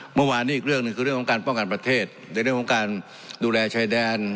เมื่อวานนี้อีกเรื่องหนึ่งคือเรื่องของการป้องกันประเทศในเรื่องของการดูแลชายแดน